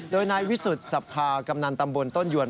โดยนายวิสุทธิ์สภากำนันตำบลต้นยวน